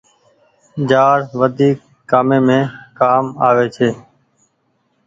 جآڙ وڌيڪ ڪآمي مين ڪآم آوي ڇي۔